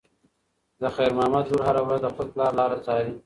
د خیر محمد لور هره ورځ د خپل پلار لاره څاري.